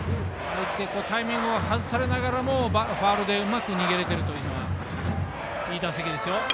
タイミングを外されながらもファウルでうまく逃げられているいい打席ですよ。